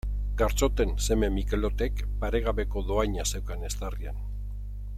Gartxoten seme Mikelotek paregabeko dohaina zeukan eztarrian.